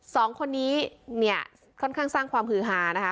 สองคนนี้เนี่ยค่อนข้างสร้างความฮือฮานะคะ